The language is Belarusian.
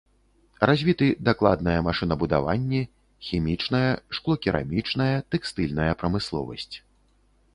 Развіты дакладнае машынабудаванне, хімічная, шклокерамічная, тэкстыльная прамысловасць.